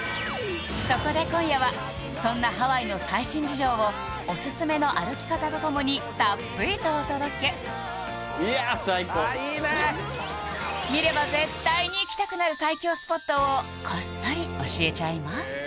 そこで今夜はそんなハワイの最新事情をおすすめの歩き方とともにたっぷりとお届け見れば絶対に行きたくなる最強スポットをこっそり教えちゃいます